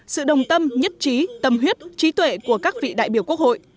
sự đồng tâm nhất trí tâm huyết trí tuệ của các vị đại biểu quốc hội